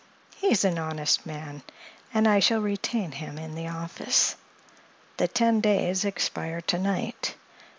He's an honest man, and I shall retain him in the office. The ten days expire to night.